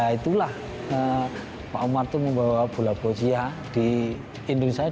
itulah pak omar membawa bola bohcia di indonesia